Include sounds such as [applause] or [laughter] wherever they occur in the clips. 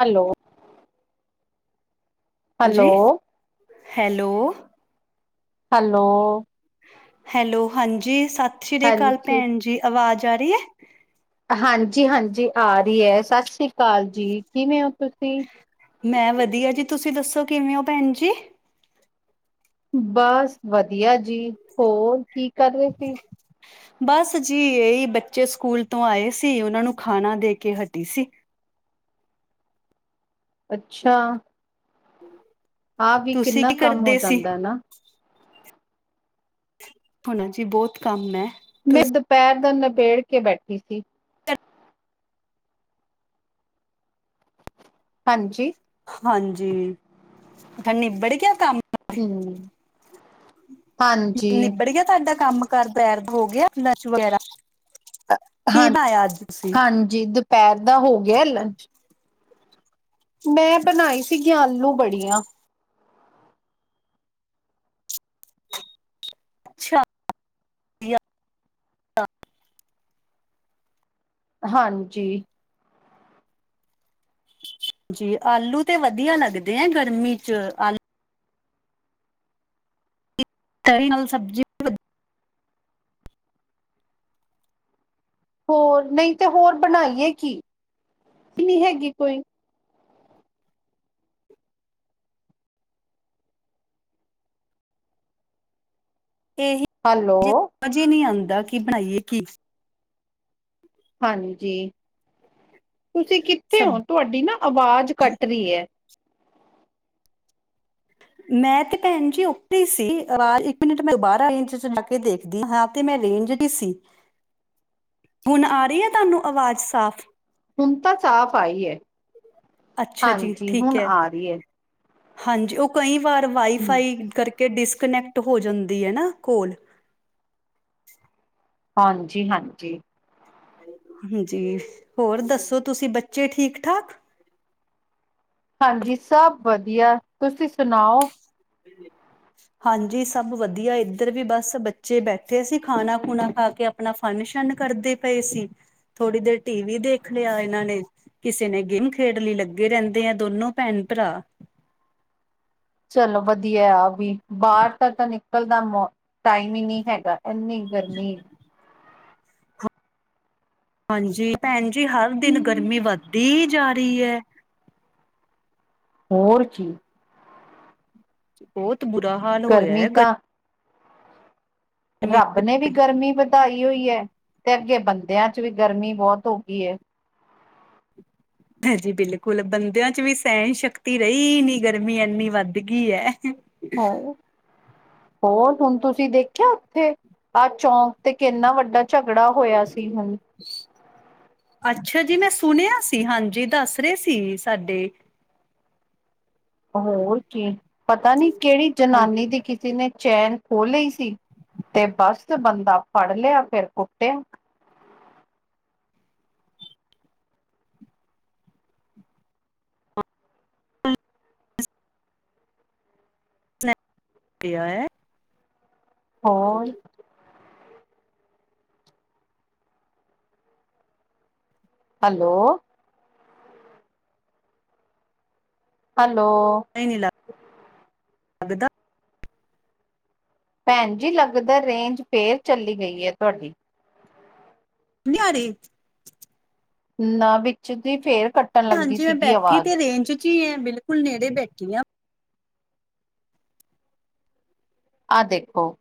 Hello. ਜੀ hello, hello hello hello ਹਾਂਜੀ, ਸਤਿ ਸ੍ਰੀ ਆਕਾਲ ਹਾਂਜੀ ਭੈਣ ਜੀ, ਅਵਾਜ਼ ਆ ਰਹੀ ਹੈ। ਹਾਂਜੀ-ਹਾਂਜੀ ਆ ਰਹੀ ਹੈ, ਸਤ ਸ੍ਰੀ ਕਾਲ ਜੀ। ਕਿਵੇਂ ਹੋ ਤੁਸੀਂ? ਮੈਂ ਵਧੀਆ ਜੀ, ਤੁਸੀਂ ਦੱਸੋ ਕਿਵੇਂ ਹੋ ਭੈਣ ਜੀ? ਬਸ ਵਧੀਆ ਜੀ। ਹੋਰ ਕੀ ਕਰ ਰਹੇ ਸੀ? ਬਸ ਜੀ ਇਹੀ ਬੱਚੇ ਸਕੂਲ ਤੋਂ ਆਏ ਸੀ, ਉਹਨਾਂ ਨੂੰ ਖਾਣਾ ਦੇ ਕੇ ਹਟੀ ਸੀ ਅੱਛਾ। ਆਹ ਵੀ, ਤੁਸੀਂ ਕਿੰਨਾ ਕੀ ਕੰਮ ਹੋ ਕਰਦੇ ਸੀ ਜਾਂਦਾ ਨਾ। ਹੁਣ ਜੀ ਬਹੁਤ ਕੰਮ ਐ ਮੈਂ ਦੁਪਹਿਰ ਦਾ ਨਿਬੇੜ ਕੇ ਬੈਠੀ ਸੀ। ਹਾਂਜੀ। ਹਾਂਜੀ, ਹੁਣ ਨਿਬੜ ਗਿਆ ਕੰਮ? ਹਮ [unintelligible] ਹਾਂਜੀ ਨਿਬੜ ਗਿਆ ਤੁਹਾਡਾ ਕੰਮ? ਘਰ ਬੈਰ ਹੋ ਗਿਆ ਫਲਸ ਵਗੈਰਾ? ਕੀ ਹਾਂ, ਬਣਾਇਆ ਅੱਜ ਤੁਸੀਂ ਹਾਂਜੀ ਦੁਪਹਿਰ ਦਾ ਹੋ ਗਿਆ ਲੰਚ ਮੈਂ ਬਣਾਈ ਸੀਗੀਆਂ ਆਲੂ ਬੜੀਆਂ ਅੱਛਾ। ਵਧੀਆ ਹਾਂਜੀ। ਜੇ ਆਲੂ ਤੇ ਵਧੀਆ ਲੱਗਦੇ ਆ ਗਰਮੀ ਚ, ਆਲੂ ਤਰੀ ਨਾਲ ਸਬਜ਼ੀ ਵਧੀਆ। ਹੋਰ ਨਹੀਂ ਤੇ ਹੋਰ ਬਣਾਈਏ ਕੀ, ਨੀ ਹੈਗੀ ਕੋਈ ਏਹੀ। ਹੈਲੋ। ਸਮਝ ਹੀ ਨੀ ਆਉਂਦਾ ਕੀ ਬਣਾਈਏ ਕੀ ਹਾਂਜੀ, ਤੁਸੀਂ ਕਿੱਥੇ ਹੋ ਸਬ ਤੁਹਾਡੀ ਨਾ ਆਵਾਜ਼ ਕੱਟ ਰਹੀ ਹੈ। ਮੈਂ ਤੇ ਭੈਣ ਜੀ ਉੱਥੇ ਹੀ ਸੀ ਰਾ ਇੱਕ ਮਿੰਟ ਮੈਂ ਬਾਰ ਆ ਗਈ ਸੀ ਤੁਸੀਂ ਬਾਕੀ ਦੇਖ ਦੀ ਹਾਂ ਤੇ ਮੈਂ ਰੇਂਜ ਦੀ ਸੀ। [inaudible] ਹੁਣ ਆ ਰਹੀ ਆ ਤੁਹਾਨੂੰ ਅਵਾਜ਼ ਸਾਫ਼। ਹੁਣ ਤਾਂ ਸਾਫ਼ ਆਈ ਹੈ। ਅੱਛਾ ਜੀ ਹਾਂਜੀ ਠੀਕ ਹੁਣ ਹੈ ਆ ਰਹੀ ਹੈ। ਹਾਂਜੀ, ਉਹ ਕਈ ਵਾਰ ਵਾਈਫਾਈ ਕਰਕੇ ਡਿਸਕਨੈਕਟ ਹੋ ਜਾਂਦੀ ਆ ਨਾ ਕੋਲ। ਹਾਂਜੀ-ਹਾਂਜੀ। ਹਾਂਜੀ, ਹੋਰ ਦੱਸੋ ਤੁਸੀਂ ਬੱਚੇ ਠੀਕ- ਠਾਕ? ਹਾਂਜੀ, ਸਭ ਵਧੀਆ ਤੁਸੀਂ ਸੁਣਾਓ? ਹ [inaudible] ਹਾਂਜੀ, ਸਭ ਵਧੀਆ ਇੱਧਰ ਵੀ ਬਸ ਬੱਚੇ ਬੈਠੇ ਸੀ ਖਾਣਾ ਖੁਣਾ ਖਾ ਕੇ ਆਪਣਾ ਫੰਨ- ਸ਼ਨ ਕਰਦੇ ਪਏ ਸੀ ਥੋੜੀ ਦੇਰ ਟੀ ਵੀ ਦੇਖ ਲਿਆ ਇਹਨਾਂ ਨੇ ਕਿਸੇ ਨੇ ਗੇਮ ਖੇਡ ਲਈ ਲੱਗੇ ਰਹਿੰਦੇ ਆ ਦੋਨੋ ਭੈਣ, ਭਰਾ। ਚਲੋ ਵਧੀਆ ਆ ਵੀ ਬਾਹਰ ਤਾਂ ਨਿਕਲ ਦਾ ਮੋ ਟਾਈਮ ਹੀ ਨਹੀਂ ਹੈਗਾ। ਇੰਨੀ, ਗਰਮੀ। ਹਾਂਜੀ, ਭੈਣ ਜੀ ਹਰ ਦਿਨ ਗਰਮੀ ਵੱਧਦੀ ਹੀ ਜਾ ਰਹੀ ਹੈ। ਹੋਰ ਚੀ। ਬੋਤ ਬੁਰਾ ਹਾਲ ਹੋਇਆ ਗਰਮੀ ਹੈ ਗ ਤਾਂ ਰੱਬ ਨੇ ਵੀ ਗਰਮੀ ਵਧਾਈ ਹੋਈ ਹੈ ਤੇ ਅੱਗੇ ਬੰਦਿਆਂ ਚ ਵੀ ਗਰਮੀ ਬੋਤ ਹੋ ਗਈ ਹੈ। ਹਾਂਜੀ ਬਿਲਕੁਲ ਬੰਦਿਆਂ ਚ ਵੀ ਸਹਿਣ, ਸ਼ਕਤੀ ਰਹੀ ਨੀ ਗਰਮੀ ਇੰਨੀ ਵੱਧ ਗਈ ਹੈ। ਹਾ। ਹੋਰ ਹੁਣ ਤੁਸੀਂ ਦੇਖਿਆ। ਉੱਥੇ ਆਹ ਚੌਂਕ ਤੇ ਕਿ ਇੰਨਾ ਵੱਡਾ ਝਗੜਾ ਹੋਇਆ ਸੀ ਹੁਣ। ਅੱਛਾ ਜੀ, ਮੈਂ ਸੁਣਿਆ ਸੀ। ਹਾਂਜੀ, ਦੱਸ ਰਹੇ ਸੀ ਸਾਡੇ। ਹੋਰ ਕੀ ਪਤਾ ਨੀ ਕਿਹੜੀ ਹਾਂ ਜਨਾਨੀ ਦੀ ਕਿਸ ਨੇ ਚੈਨ ਖੋਹ ਲਈ ਸੀ। ਤੇ ਬਸ ਬੰਦਾ ਫੜ ਲਿਆ। ਫੇਰ ਕੁੱਟਿਆ। ਪਿਆ ਏ। ਹੋਰ? ਹੈਲੋ। ਹੈਲੋ। ਨਹੀਂ -ਨਹੀਂ ਲ ਭੈਣ ਜੀ ਲਗ ਦਾ ਰੇਂਜ ਫੇਰ ਚੱਲੀ ਗਈ ਹੈ ਤੁਹਾਡੀ? ਨੀ ਆ ਰੀ। ਨਾ ਵਿੱਚ ਦੀ ਫੇਰ ਕੱਟਣ ਲੱਗੀ ਸੀਗੀ ਆਵਾਜ਼। ਕੀ ਐ ਬਿਲਕੁਲ ਨੇੜੇ ਬੈਠੀ ਆ। ਆਹ ਦੇਖੋ?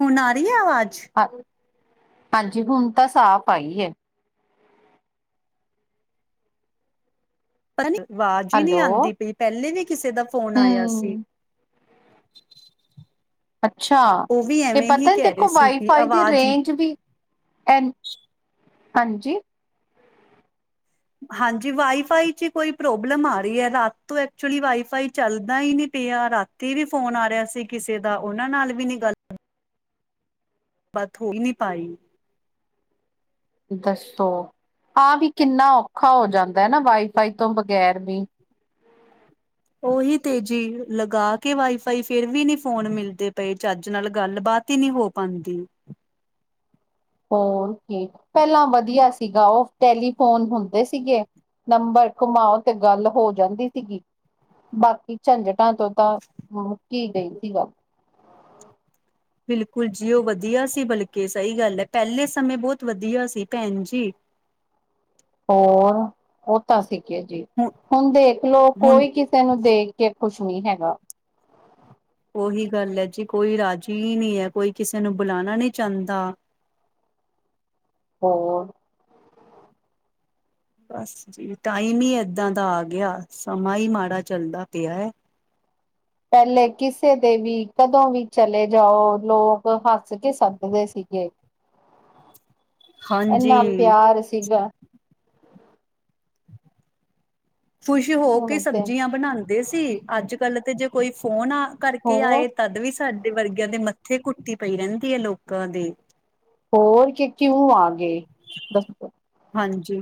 ਹੁਣ ਆ ਰਹੀ ਹੈ ਆਵਾਜ਼? ਹ ਹਾਂਜੀ, ਹੁਣ ਤਾਂ ਸਾਫ਼ ਆਈ ਹੈ। ਪਤਾ ਨੀ ਆਵਾਜ਼ ਹੀ ਨਹੀਂ ਹੈਲੋ ਆਂਦੀ ਪਈ ਪਹਿਲੇ ਵੀ ਕਿਸੇ ਦਾ ਫੋਨ ਆਇਆ ਸੀ। ਹਮ [inaudible] ਅੱਛਾ, ਉਹ ਵੀ ਤੇ ਐਵੇਂ ਹੀ ਪਤਾ ਨਹੀਂ ਕਹਿ ਰਹੇ ਦੇਖੋ ਸੀ ਕਿ ਵਾਈਫਾਈ ਦੀ ਆਵਾਜ਼ ਰੇਂਜ ਵੀ ਐ ਨ ਹਾਂਜੀ। ਹਾਂਜੀ, ਵਾਈਫਾਈ ਚ ਕੋਈ ਪ੍ਰੋਬਲਮ ਆ ਰਹੀ ਐ, ਰਾਤ ਤੋਂ ਐਕਚੁਲੀ ਵਾਈਫਾਈ ਚੱਲਦਾ ਈ ਨੀ ਪਿਆ ਵਾ। ਤੀ ਵੀ ਫੋਨ ਆ ਰਿਹਾ ਸੀ ਕਿਸੇ ਦਾ, ਉਹਨਾਂ ਨਾਲ ਵੀ ਨੀ ਗੱਲ ਬਾਥ ਹੋ ਈ ਨਹੀ ਪਾਈ। ਦੱਸੋ, ਆ ਵੀ ਕਿੰਨਾ ਔਖਾ ਹੋ ਜਾਂਦਾ ਨਾ, ਵਾਈਫਾਈ ਤੋਂ ਬਗੈਰ ਵੀ। ਉਹੀ ਤੇ ਜੀ, ਲਗਾ ਕੇ ਵਾਈਫਾਈ ਫਿਰ ਵੀ ਨੀ ਫੋਨ ਮਿਲਦੇ ਪਏ, ਚੱਜ ਨਾਲ ਗੱਲ ਬਾਤ ਹੀ ਨੀ ਹੋ ਪਾਂਦੀ। ਹੋਰ ਕੀ, ਪੈਲਾਂ ਵਧੀਆ ਸੀਗਾ ਓਫ ਟੈਲੀਫੋਨ ਹੁੰਦੇ ਸੀਗੇ। ਨੰਬਰ ਘੁਮਾਓ, ਤੇ ਗੱਲ ਹੋ ਜਾਂਦੀ ਸੀਗੀ। ਬਾਕੀ ਝੰਜਟਾਂ ਤੋਂ ਤਾਂ, ਮੁਕੀ ਗਈ ਸੀ ਗੱਲ। ਬਿਲਕੁਲ ਜੀ, ਉਹ ਵਧੀਆ ਸੀ ਬਲਕਿ, ਸਹੀ ਗੱਲ ਹੈ ਪਹਿਲੇ ਸਮੇਂ ਬਹੁਤ ਵਧੀਆ ਸੀ ਭੈਣ ਜੀ। ਹੋਰ ਉਹ ਤਾਂ ਸੀਗੇ ਜੀ, ਹੁ ਹੁਣ ਦੇਖਲਓ ਹੁਣ ਕੋਈ ਕਿ ਤੈਨੂੰ ਦੇਖ ਕੇ ਖੁਸ਼ ਨੀ ਹੈਗਾ। ਉਹੀ ਗੱਲ ਹੈ ਜੀ, ਕੋਈ ਰਾਜ਼ੀ ਨੀ ਹੈ, ਕੋਈ ਕਿਸੇ ਨੂੰ ਬੁਲਾਣਾ ਨੀ ਚਾਹੁੰਦਾ। ਹੋਰ। ਬਸ ਜੀ, ਟਾਈਮ ਹੀ ਐਦਾਂ ਦਾ ਆ ਗਿਆ, ਸਮਾਂ ਈ ਮਾੜਾ ਚੱਲਦਾ ਪਿਆ ਏ। ਪੈਲੇ ਕਿਸੇ ਦੇ ਵੀ, ਕਦੋਂ ਵੀ ਚਲੇ ਜਾਓ ਲੋਕ ਹੱਸ ਕੇ ਸੱਦਦੇ ਸੀਗੇ। ਹਾਂਜੀ ਐਨਾ ਪਿਆਰ ਸੀਗਾ। ਖੁਸ਼ ਹੋ ਕੇ ਹੁਣ ਤੇ ਸਬਜ਼ੀਆਂ ਬਣਾਉਂਦੇ ਸੀ, ਅੱਜ-ਕੱਲ ਜੇ ਕੋਈ ਫੋਨ ਆ ਕਰਕੇ ਹੋਰ ਆਏ ਤਦ ਵੀ ਸਾਡੇ ਵਰਗਿਆਂ ਦੇ ਮੱਥੇ ਕੁੱਟੀ ਪਈ ਰਹਿੰਦੀ ਐ, ਲੋਕਾਂ ਦੇ। ਹੋਰ ਕੀ ਕਿਉਂ ਆ ਗਏ। ਦੱਸੋ ਹਾਂਜੀ।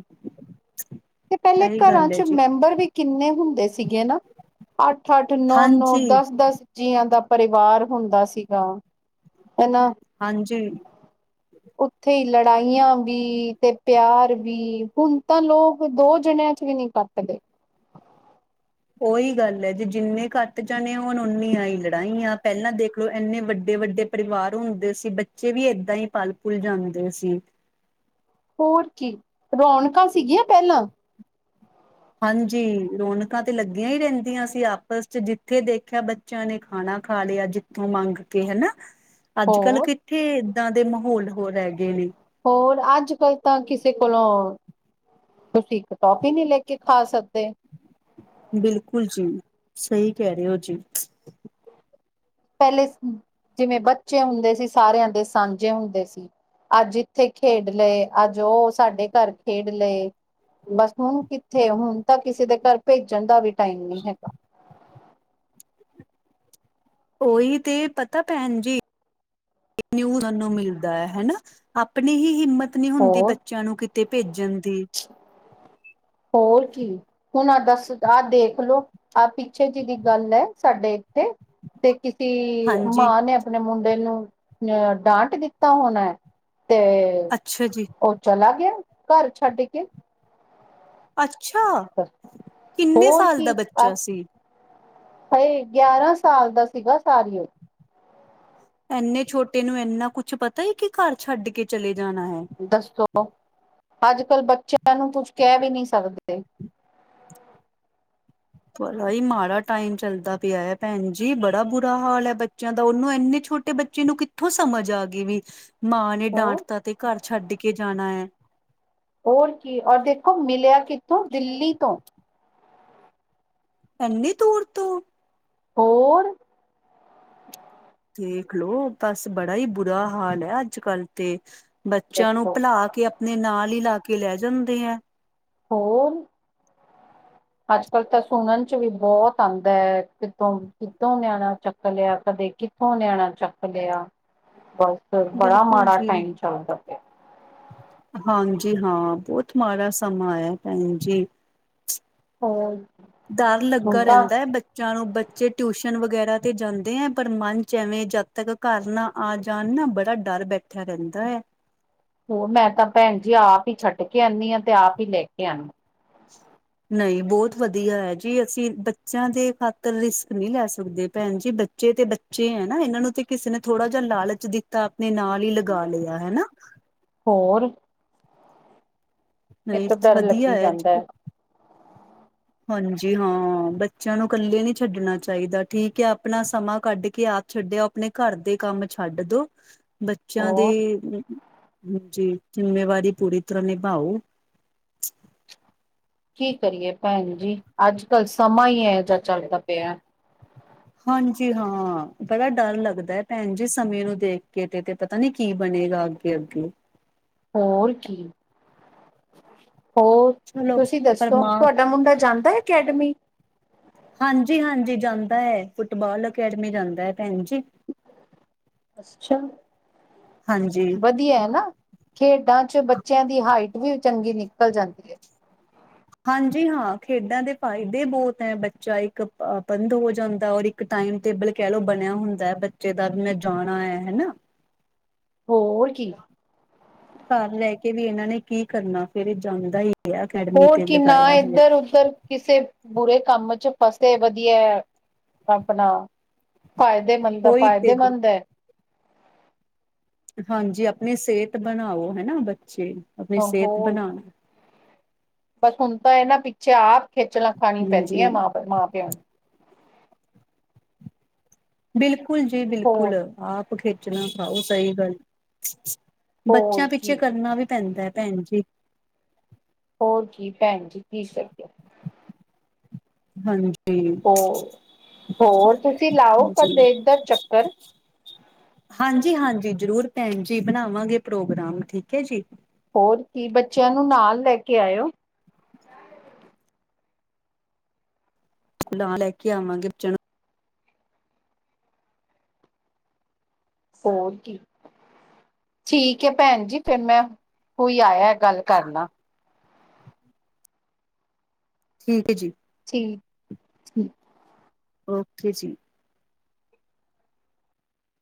ਤੇ ਪੈਲੇ ਸਹੀ ਘਰਾਂ ਗੱਲ ਹੈ 'ਚ' ਜੀ ਮੈਂਬਰ ਵੀ ਕਿੰਨੇ ਹੁੰਦੇ ਸੀਗੇ ਨਾ। ਅੱਠ-ਅੱਠ, ਨੌ-ਨੌ, ਹਾਂਜੀ ਦਸ-ਦਸ। ਜੀਆਂ ਦਾ ਪਰਿਵਾਰ ਹੁੰਦਾ ਸੀਗਾ, ਐਨਾ। ਹਾਂਜੀ। ਉੱਥੇ ਲੜਾਈਆਂ ਵੀ, ਤੇ ਪਿਆਰ ਵੀ, ਹੁਣ ਤਾਂ ਲੋਕ ਦੋ ਜਣਿਆਂ 'ਚ ਵੀ ਨੀ ਕਟ ਦੇ ਉਹੀ ਗੱਲ ਐ, ਜੇ ਜਿੰਨੇ ਘੱਟ ਜਾਣੇ ਹੋਣ, ਓਨੀਆ ਈ ਲੜਾਈਆ, ਪਹਿਲਾਂ ਦੇਖਲੋ ਐਨੇ ਵੱਡੇ-ਵੱਡੇ ਪਰਿਵਾਰ ਹੁੰਦੇ ਸੀ, ਬੱਚੇ ਵੀ ਐਦਾਂ ਹੀ ਪਲ-ਭੁਲ ਜਾਂਦੇ ਸੀ। ਹੋਰ ਕੀ, ਰੌਣਕਾਂ ਸੀਗੀਆਂ ਪਹਿਲਾਂ। ਹਾਂਜੀ, ਰੌਣਕਾਂ ਤੇ ਲੱਗੀਆਂ ਹੀ ਰਹਿੰਦੀਆਂ ਸੀ ਆਪ ਬਸ, ਜਿੱਥੇ ਦੇਖਿਆ ਬੱਚਿਆਂ ਨੇ ਖਾਣਾ ਖਾ ਲਿਆ ਜਿੱਥੋਂ ਮੰਗ ਕੇ ਹਨਾ। ਅੱਜ -ਕੱਲ ਹੋਰ ਕਿੱਥੇ, ਐਦਾਂਦੇ ਮਾਹੌਲ ਹੋਰ ਰਹਿ ਗਏ ਨੇ। ਹੋਰ ਅੱਜ-ਕੱਲ ਤਾਂ ਕਿਸੇ ਕੋਲੋਂ ਤੁਸੀਂ ਇੱਕ ਟੋਫੀ ਨੀ ਲੈ ਕੇ ਖਾ ਸਕਦੇ। ਬਿਲਕੁਲ ਜੀ, ਸਹੀ ਕਹਿ ਰਹੇ ਓ ਜੀ। ਪੈਲੇ ਜਿਵੇਂ ਬੱਚੇ ਹੁੰਦੇ ਸੀ, ਸਾਰਿਆਂ ਦੇ ਸਾਂਝੇ ਹੁੰਦੇ ਸੀ। ਅੱਜ ਇੱਥੇ ਖੇਡ ਲਏ, ਅੱਜ ਉਹ ਸਾਡੇ ਘਰ ਖੇਡ ਲਏ। ਬਸ ਹੁਣ ਕਿੱਥੇ, ਹੁਣ ਤਾਂ ਕਿਸੇ ਦੇ ਘਰ ਭੇਜਣ ਦਾ ਵੀ ਟਾਈਮ ਨੀ ਹੈਗਾ। ਉਹੀ ਤੇ ਪਤਾ ਭੈਣਜੀ। ਇਕ ਨਿਊ ਸਾਨੂੰ ਮਿਲਦਾ ਐ, ਹਨਾ, ਆਪਣੀ ਈ ਹਿੰਮਤ ਆਪਣੀ ਹੁੰਦੀ, ਹੋਰ ਬੱਚਿਆਂ ਨੂੰ ਕਿਤੇ ਭੇਜਣ ਦੀ। ਹੋਰ ਕੀ। ਹੁਣ ਆਹ ਦੱਸ, ਆਹ ਦੇਖਲਓ, ਆਹ ਪਿੱਛੇ ਜਿਹਦੀ ਗੱਲ ਐ, ਸਾਡੇ ਤੇ, ਕਿਸੀ ਹਾਂਜੀ ਮਾਂ ਨੇ ਅਪ ਆਪਣੇ ਮੁੰਡੇ ਨੂੰ, ਅ ਡਾਂਟ ਦਿੱਤਾ ਹੋਣਾ ਐ, ਤੇ ਤੇ ਅੱਛਾ ਜੀ ਉਹ ਚਲਾ ਗਿਆ, ਘਰ ਛੱਡ ਕੇ। ਅੱਛਾ, ਕਿੰਨੇ ਹੋਰ ਸਾਲ ਦਾ ਬੱਚਾ ਸੀ? ਹਾਏ ਗਿਆਰਾਂ ਸਾਲ ਦਾ ਸੀਗਾ ਸਾਰੀਓ। ਐਨੇ ਛੋਟੇ ਨੂੰ ਇੰਨਾ ਕੁਛ ਪਤਾ ਏ ਕਿ ਘਰ ਛੱਡ ਕੇ ਚਲੇ ਜਾਣਾ ਹੈ। ਦੱਸੋ, ਅੱਜ-ਕੱਲ ਬੱਚਿਆਂ ਨੂੰ ਕੁਛ ਕੈ ਵੀ ਨੀ ਸਕਦੇ। ਬਰਾ ਈ ਮਾੜਾ ਟੈਮ ਚੱਲਦਾ ਪਿਆ ਐ ਭੈਣ ਜੀ ਬੜਾ ਬੁਰਾ ਹਾਲ ਐ ਬੱ ਚਿਆਂ ਦਾ ਉਨੂੰ ਇੰਨੇ ਛੋਟੇ ਬੱਚੇ ਨੂੰ ਕਿੱਥੋਂ ਸਮਝ ਆਗੀ ਵੀ ਮਾਂ ਨੇ ਹੋਰ ਡਾਂਟਤਾ ਤੇ ਘਰ ਛੱਡ ਕੇ ਜਾਣਾ ਐ। ਹੋਰ ਕੀ ਔਰ ਦੇਖੋਂ ਮਿਲਿਆਂ ਕਿੱਥੋਂ ਦਿੱਲੀ ਤੋਂ। ਐਨੀ ਦੂਰ ਤੋਂ। ਹੋਰ। ਦੇਖਲੋ ਬਸ ਬੜਾ ਈ ਬੁਰਾ ਹਾਲ ਐ ਅੱਜ-ਕੱਲ ਤੇ। ਬੱਚਿਆਂ ਨੂੰ ਦੱਸੋ ਭੁਲਾ ਕੇ ਆਪਣੇ ਨਾਲ ਈ ਲਾ ਕੇ ਲੈ ਜਾਂਦੇ ਐ। ਹੋਰ। ਅੱਜ-ਕੱਲ ਤਾਂ ਸੁਣਨ ਚ ਵੀ ਬੋਤ ਆਂਦੇ ਐ ਕਿੱਤੋ, ਕਿੱਤੋ ਨਿਆਣਾ ਚੱਕ ਲਿਆ ਕਦੇ ਕਿ ਥੋਂ ਨਿਆਣਾ ਚੱਕ ਲਿਆ, ਬਸ ਬੜਾ ਬਿਲਕੁਲ ਮਾੜਾ ਜੀ ਟਾਈਮ ਚੱਲਦਾ ਪਿਆ। ਹਾਂਜੀ ਹਾਂ ਬੋਤ ਮਾੜਾ ਸਮਾਂ ਐ ਭੈਣ ਜੀ। ਹੋਰ। ਡਰ ਹੁਣ ਲੱਗਾ ਤਾਂ ਰੈਂਦਾ ਐ ਬੱ ਚਿਆਂ ਨੂੰ ਬੱਚੇ ਟਿਊਸ਼ਨ ਵਗੈਰਾ ਤੇ ਜਾਂਦੇ ਐ ਪਰ ਮਨ ਚ ਐਵੇਂ ਜਦ ਤੱਕ ਘਰ ਨਾ ਆ ਜਾਣ ਨਾ ਬੜਾ ਡਰ ਬੈਠਿਆਂ ਰੈਂਦਾ ਐ। ਹੋਰ ਮੈਂ ਤਾਂ ਭੈਣ ਜੀ ਆਪ ਈ ਛੱਡ ਕੇ ਆਨੀ ਆ ਤੇ ਆਪ ਈ ਲੈ ਕੇ ਆਨ ਨਈ ਬੋਤ ਵਧੀਆਂ ਐ ਜੀ ਅਸੀਂ ਬੱਚਿਆਂ ਦੇ ਖ਼ਾਤਰ ਰਿਸਕ ਨੀ ਲੈ ਸਕਦੇ ਭੈਣ ਜੀ ਬੱਚੇ ਤੇ ਬੱ ਚੇ ਹੈ ਨਾ ਇਨਾਂ ਨੂੰ ਤੇ ਕਿਸੇ ਨੇ ਥੋੜਾ ਜਾ ਲਾਲਚ ਦਿੱਤਾ ਆਪਣੇ ਨਾਲ ਈ ਲਗਾ ਲਿਆ ਹੈਨਾ। ਹੋਰ। ਨਹੀਂ ਇੱਕ ਡਰ ਵਧੀਆ ਲੱਗੀ ਹੈ ਜਾਂਦੈਂ। ਹਾਂਜੀ ਹਾਂ ਬੱਚਿਆਂ ਨੂੰ ਕੱਲੇ ਨੀ ਛੱਡਣਾ ਚਾਈਦਾ ਠੀਕ ਐ ਆਪਣਾ ਸਮਾਂ ਕੱਢ ਕੇ ਆਪ ਛੱਡੇ ਆਓ ਆਪਣੇ ਘਰ ਦੇ ਕੰਮ ਛੱਡ ਦੋ ਬੱਚਿਆਂ ਹੋਰ ਦੀ ਜੀ ਜ਼ਿੰਮੇਵਾਰੀ ਪੂਰੀ ਤਰਾਂ ਨਿਭਾਓ। ਕੀ ਕਰੀਏ ਭੈਣ ਜੀ ਅੱਜ-ਕੱਲ ਸਮਾਂ ਈ ਏਓ ਜਾ ਚੱਲਦਾ ਪਿਆ। ਹਾਂਜੀ ਹਾਂ ਬੜਾ ਡਰ ਲੱਗਦਾ ਐ ਭੈਣ ਜੀ ਸਮੇਂ ਨੂੰ ਦੇਖ ਕੇ ਤੇ-ਤੇ ਪਤਾ ਨੀ ਕੀ ਬਣੇਗਾ ਅੱਗੇ-ਅੱਗੇ। ਹੋਰ ਕੀ। ਹੋਰ ਚਲੋ ਤੁਸੀਂ ਪਰ ਦੱਸੋ ਮਾਂ ਤੁਹਾਡਾ ਮੁੰਡਾ ਜਾਂਦਾ ਐ ਅਕੈਡਮੀ? ਹਾਂਜੀ-ਹਾਂਜੀ ਜਾਂਦਾ ਐ ਫੁੱਟਬਾਲ ਅਕੈਡਮੀ ਜਾਂਦਾ ਐ ਭੈਣ ਜੀ। ਅੱਛਾ, ਹਾਂਜੀ-ਹਾਂਜੀ ਵਧੀਆ ਐ ਨਾ ਖੇਡਾਂ ਚ ਬੱਚਿਆਂ ਦੀ ਹਾਈਟ ਵੀ ਚੰਗੀ ਨਿਕਲ਼ ਜਾਂਦੀ ਐ। ਹਾਂਜੀ ਹਾਂ ਖੇਡਾਂ ਦੇ ਫਾਇਦੇ ਬੋਤ ਐ ਬੱਚਾ ਇੱਕ ਅ ਬੰਦ ਹੋ ਜਾਂਦਾ ਔਰ ਇੱਕ ਇੱਕ ਟਾਈਮ ਟੇਬਲ ਕੈ ਲੋ ਬਣਿਆ ਹੁੰਦਾ ਐ ਬੱਚੇ ਦਾ ਵੀ ਮੈਂ ਜਾਣਾ ਐ ਹਨਾ। ਹੋਰ ਕੀ। ਘਰ ਰੈ ਕੇ ਵੀ ਏਨਾਂ ਨੇ ਕਰਨਾ ਫੇਰ ਏ ਜਾਂਦਾ ਈ। ਹੋਰ ਕੀ ਨਾ ਏਧਰ-ਉੱਧਰ ਕਿਸੇ ਬੁਰੇ ਕੰਮ ਚ ਫਸੇ ਵਧੀਆ, ਆਪਣਾ ਫ਼ਾਇਦੇਮੰਦ ਆ ਉਹੀ ਤੇ ਜੀ ਪਾਇਦੇਮੰਦ ਐ। ਹਾਂਜੀ ਆਪਣੀ ਸੇਅਤ ਬਣਾਓ ਹੈਨਾ ਬੱਚੇ। ਆਪਣੀ ਅ ਸਿਹਤ ਹੋਰ, ਬਣਾਉਣ ਬਸ ਹੁਣ ਤਾਂ ਐ ਨਾ ਪੀ ਛੇ ਆਪ ਖੇਚਲਾਂ ਖਾਨੀ ਹਾਂਜੀ ਪੈਂਦੀਆਂ ਮਾਂ-ਪਿਓ ਮਾਂ-ਪਿਓ ਨੂੰ। ਬਿਲਕੁਲ ਜੀ ਬਿਲਕੁਲ ਹੋਰ ਆਪ ਖੇਚਲ਼ਾ ਖਾਓ ਸਹੀ ਗੱਲ। ਹੋਰ ਬੱਚੇਆਂ ਪਿੱਛੇ ਕੀ ਕਰਨਾ ਵੀ ਪੈਂਦਾ ਪੈਣ ਜੀ। ਹੋਰ ਕੀ ਪੈਣ ਜੀ ਕੀ ਕਰੀਏ ਹਾਂਜੀ ਹੋਰ, ਹੋਰ ਤੁਸੀ ਲਾਓ ਕਦੇ ਇੱਧਰ ਚੱਕਰ। ਹਾਂਜੀ-ਹਾਂਜੀ, ਜ਼ਰੂਰ ਪੈਣ ਜੀ ਬਣਾਵਾਂਗੇ ਪ੍ਰੋਗਰਾਮ ਠੀਕ ਐ ਜੀ। ਹੋਰ ਕੀ, ਬੱਚਿਆਂ ਨੂੰ ਨਾਲ ਲੈ ਕੇ ਆਏ ਓ। ਨਾਲ ਲੈ ਕੇ ਆਵਾਂਗੇ, ਬੱਚਿਆਂ ਨੂੰ। ਹੋਰ ਕੀ, ਠੀਕ ਹੈ ਪੈਣ ਜੀ ਫਿਰ ਮੈਂ ਕੋਈ ਆਇਆ। ਗੱਲ ਕਰਨਾ। ਠੀਕ ਏ ਜੀ। ਠੀਕ ਓਕੇ ਜੀ।